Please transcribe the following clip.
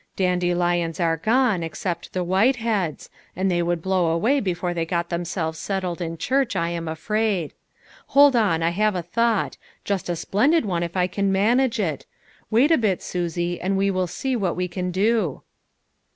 Dandelions are gone, ex cept the whiteheads, and they would blow away before they got themselves settled in church, I am afraid. Hold on, I have a thought, just a splendid one if I can manage it ; wait a bit, Susie, and we will see what AVC can do."